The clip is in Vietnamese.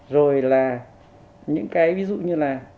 rồi là những cái ví dụ như là